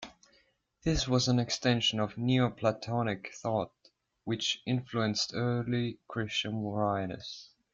This was an extension of Neoplatonic thought, which influenced early Christian writers.